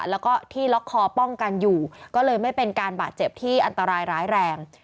แล้วก็ที่ล็อกคอป้องกันอยู่ก็เลยไม่เป็นการบาดเจ็บที่อันตรายร้ายแรง